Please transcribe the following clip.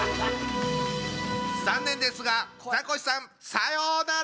残念ですがザコシさんさようなら！